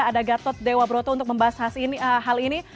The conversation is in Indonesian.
ada gatot dewa broto untuk membahas hal ini